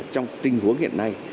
trong tình huống hiện nay